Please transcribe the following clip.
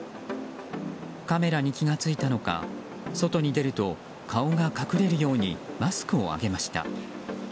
カメラに気が付いたのか外に出ると顔が隠れるようにマスクを上げました。